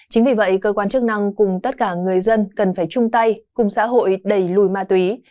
chính vì vậy cơ quan chức năng cùng tất cả người dân cần phải chung tay cùng xã hội đẩy lùi ma túy